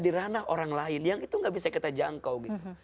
di ranah orang lain yang itu gak bisa kita jangkau gitu